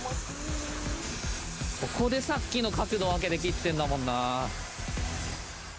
ここでさっきの角度、分けて切っているんだもんなあ。